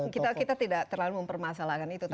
kita tidak terlalu mempermasalahkan itu